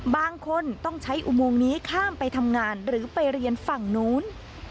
บางคนต้องใช้อุโมงนี้ข้ามไปทำงานหรือไปเรียนฝั่งนู้น